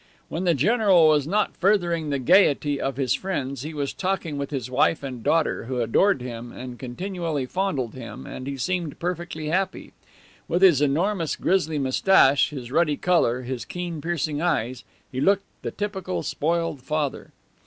When the general was not furthering the gayety of his friends he was talking with his wife and daughter, who adored him and continually fondled him, and he seemed perfectly happy. With his enormous grizzly mustache, his ruddy color, his keen, piercing eyes, he looked the typical spoiled father.